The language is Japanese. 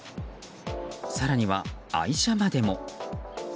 更には愛車までも。